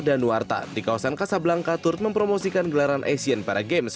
dan nuwarta di kawasan casablanca tur mempromosikan gelaran asian para games